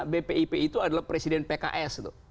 bpip itu adalah presiden pks tuh